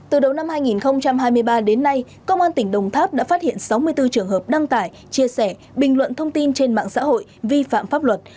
từ đầu năm hai nghìn hai mươi ba đến nay công an tỉnh đồng tháp đã phát hiện sáu mươi bốn trường hợp đăng tải chia sẻ bình luận thông tin trên mạng xã hội vi phạm pháp luật